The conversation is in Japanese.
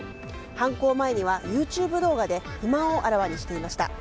犯行前にはＹｏｕＴｕｂｅ動画で不満をあらわにしていました。